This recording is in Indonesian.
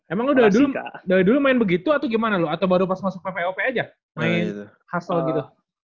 emang udah dari dulu main begitu atau gimana loh atau baru pas masuk pvop aja main hussel gitu